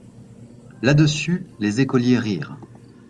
Là-dessus, les écoliers rirent.